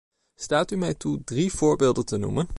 Staat u mij toe drie voorbeelden te noemen.